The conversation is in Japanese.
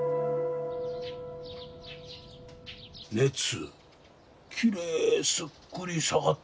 熱きれいすっくり下がってるわ。